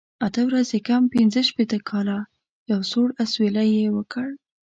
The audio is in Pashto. اته ورځې کم پنځه شپېته کاله، یو سوړ اسویلی یې وکړ.